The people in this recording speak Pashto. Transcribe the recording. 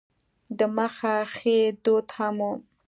د مخه ښې دود هم و.